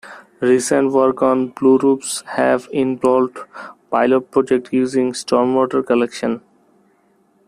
Recent work on blue roofs have involved pilot projects using stormwater collection.